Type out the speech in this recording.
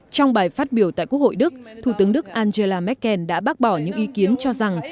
trong bài phát biểu tại quốc hội đức thủ tướng đức angela merkel đã bác bỏ những ý kiến cho rằng